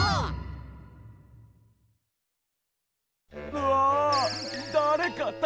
うわ！